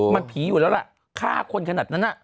มันผีอยู่แล้วล่ะฆ่าคนขนาดนั้น